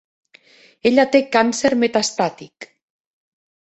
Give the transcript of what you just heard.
Ella té càncer metastàtic.